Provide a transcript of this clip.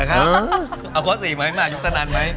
เอาความสีใหม่มหายุกตร์ตะนั้นไหม